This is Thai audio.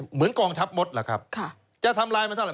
เหมือนกองชับมดเหรอครับจะทำลายมันเท่าไร